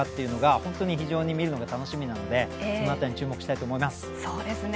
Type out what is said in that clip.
本当に非常に見るのが楽しみなのでその辺り注目したいと思います。